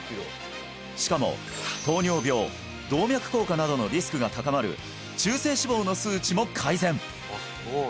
しかも糖尿病動脈硬化などのリスクが高まる中性脂肪の数値も改善